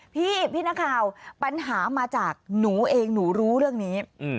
พี่พี่นักข่าวปัญหามาจากหนูเองหนูรู้เรื่องนี้